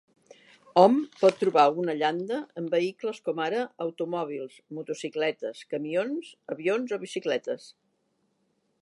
Hom pot trobar una llanda en vehicles com ara automòbils, motocicletes, camions, avions o bicicletes.